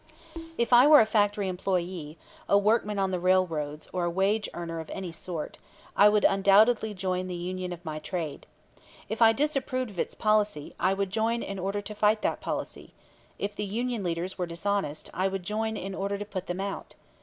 If I were a factory employee, a workman on the railroads or a wage earner of any sort, I would undoubtedly join the union of my trade. If I disapproved of its policy, I would join in order to fight that policy; if the union leaders were dishonest, I would join in order to put them out.